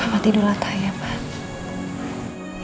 selamat tidur latai ya pak